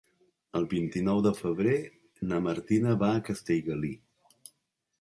El vint-i-nou de febrer na Martina va a Castellgalí.